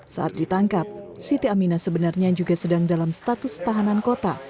saat ditangkap siti aminah sebenarnya juga sedang dalam status tahanan kota